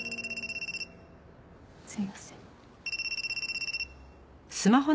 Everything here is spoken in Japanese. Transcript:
すいません。